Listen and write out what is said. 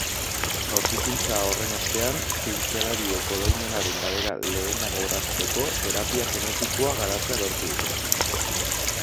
Aurkikuntza horren ostean, zientzialariek oroimenaren galera lehenagorazteko terapia genetikoa garatzea lortu dute.